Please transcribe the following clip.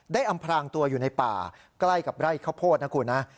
อำพลางตัวอยู่ในป่าใกล้กับไร่ข้าวโพดนะคุณนะ